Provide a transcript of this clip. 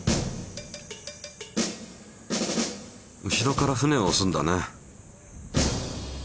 後ろから船をおすんだね。